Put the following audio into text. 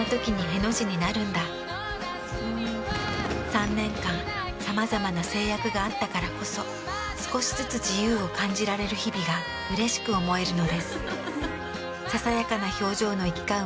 ３年間さまざまな制約があったからこそ少しずつ自由を感じられる日々がうれしく思えるのです。